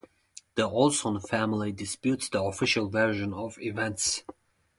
The Olson family disputes the official version of events.